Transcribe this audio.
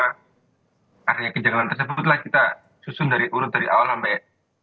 karena artinya kejangan tersebutlah kita susun dari urut dari awal sampai